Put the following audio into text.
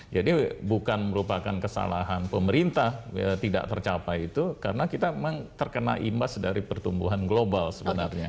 bukan merupakan kesalahan pemerintah tidak tercapai itu karena kita memang terkena imbas dari pertumbuhan global sebenarnya